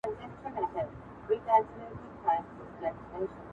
را ولاړي کړي دي